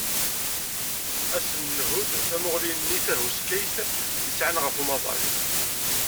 Ad sen-nhudd tamuɣli-nni tahuskayt i sɛan ɣef umaḍal.